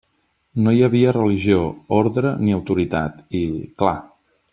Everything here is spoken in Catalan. No hi havia religió, ordre ni autoritat, i... clar!